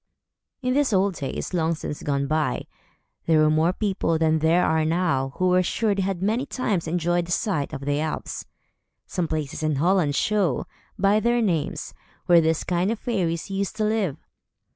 In these old days, long since gone by, there were more people than there are now, who were sure they had many times enjoyed the sight of the elves. Some places in Holland show, by their names, where this kind of fairies used to live.